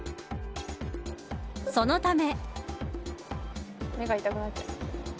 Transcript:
そのため。